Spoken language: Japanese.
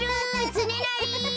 つねなり！